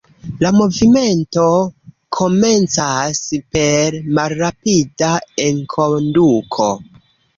La movimento komencas per malrapida enkonduko.